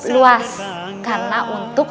luas karena untuk